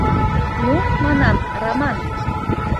— Ну, манам, Раман...